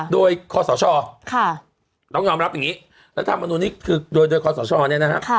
โดยคอสชต้องยอมรับอย่างนี้รัฐมนุนนี้คือโดยคอสชเนี่ยนะฮะ